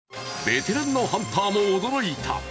ベテランのハンターも驚いた。